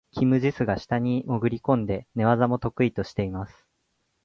キム・ジスが下に潜り込んで、寝技も得意としています。